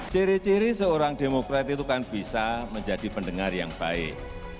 ciri ciri seorang demokrat itu kan bisa menjadi pendengar yang baik